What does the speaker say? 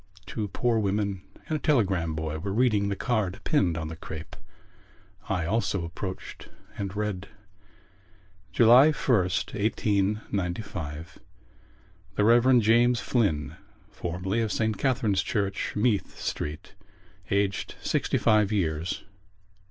Two poor women and a telegram boy were reading the card pinned on the crape. I also approached and read: July 1st, 1895 The Rev. James Flynn (formerly of S. Catherine's Church, Meath Street), aged sixty five years.